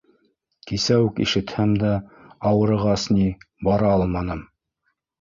— Кисә үк ишетһәм дә, ауырығас ни, бара алманым.